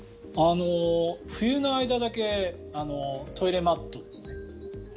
冬の間だけトイレマットですね。